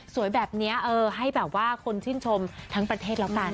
แบบนี้ให้แบบว่าคนชื่นชมทั้งประเทศแล้วกัน